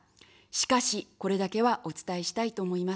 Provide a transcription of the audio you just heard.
しかし、これだけはお伝えしたいと思います。